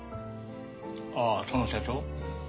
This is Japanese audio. ああその社長？